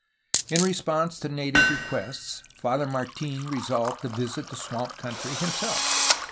In response to native requests Father Martin resolved to visit the swamp country himself.